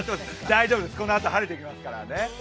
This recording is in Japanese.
大丈夫です、このあと晴れてきますからね。